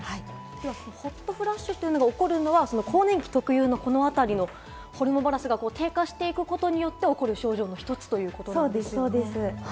ホットフラッシュというのが起こるのは更年期特有のこのあたりのホルモンバランスが低下していくことによって起こる症状の１つということなんですね。